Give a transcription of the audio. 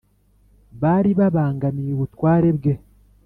bari babangamiye ubutware bwe